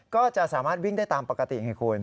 ก็จะสามารถวิ่งได้ตามปกติไงคุณ